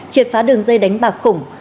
triệt phá đường dây đánh bạc khủng